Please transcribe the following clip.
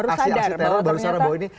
aksi aksi teror baru sarah bahwa ini